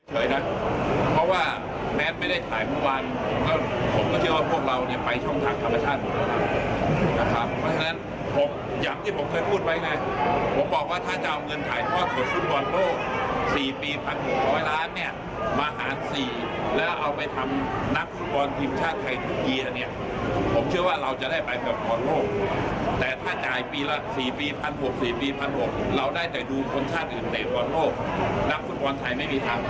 ปีพันหกสี่ปีพันหกเราได้แต่ดูคนชาติอื่นเตรียมกว่าโลกนักฟุตบอลไทยไม่มีทางหลายกว่าโลกได้กว่า